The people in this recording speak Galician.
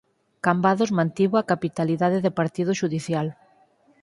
Cambados mantivo a capitalidade de partido xudicial.